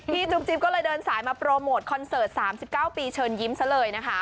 จุ๊บจิ๊บก็เลยเดินสายมาโปรโมทคอนเสิร์ต๓๙ปีเชิญยิ้มซะเลยนะคะ